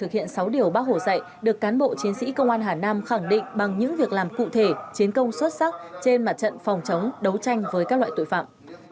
hà nam khẳng định bằng những việc làm cụ thể chiến công xuất sắc trên mặt trận phòng chống đấu tranh với các loại tội phạm